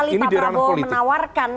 karena pertama kali pak prabowo menawarkan